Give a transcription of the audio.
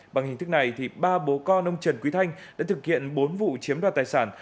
bằng hình thức này ba bố con ông trần quý thanh đã thực hiện bốn vụ chiếm đoạt tài sản